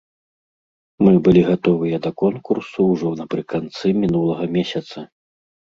Мы былі гатовыя да конкурсу ўжо напрыканцы мінулага месяца.